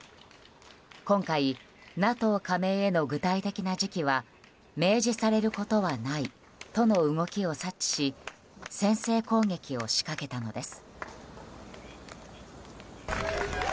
今回、ＮＡＴＯ加盟への具体的な時期は明示されることはないとの動きを察知し先制攻撃を仕掛けたのです。